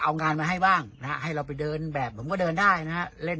เอางานมาให้บ้างนะฮะให้เราไปเดินแบบผมก็เดินได้นะฮะเล่น